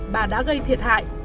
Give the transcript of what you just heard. bà đã gây thiệt hại